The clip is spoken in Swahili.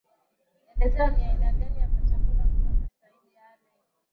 elezea ni aina ngani ya vyakula mtu anastahili ale